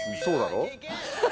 そうだろ。